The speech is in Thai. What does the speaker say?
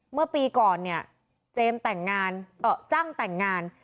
เมื่อปีก่อนเนี่ยจังแต่งงาน